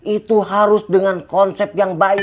itu harus dengan konsep yang baik